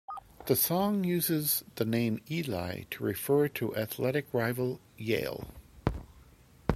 The song uses the name "Eli" to refer to athletic rival Yale.